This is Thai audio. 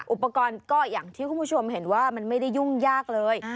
อุปกรณ์ก็อย่างที่คุณผู้ชมเห็นว่ามันไม่ได้ยุ่งยากเลย